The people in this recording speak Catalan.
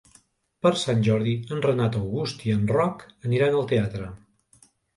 Per Sant Jordi en Renat August i en Roc aniran al teatre.